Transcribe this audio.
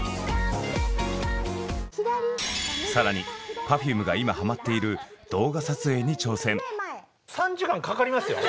更にＰｅｒｆｕｍｅが今ハマっている動画撮影に挑戦！